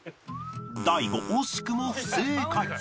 大悟惜しくも不正解